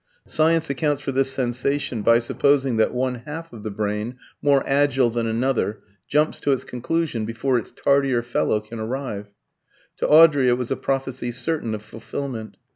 Science accounts for this sensation by supposing that one half of the brain, more agile than another, jumps to its conclusion before its tardier fellow can arrive. To Audrey it was a prophecy certain of fulfilment.